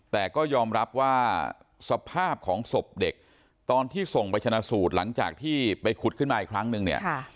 แต่ก็ยอมรับว่าสภาพของศพเด็กตอนที่ส่งไปชนะสูตรหลังจากที่ไปขุดขึ้นมาอีกครั้งนึงเนี่ย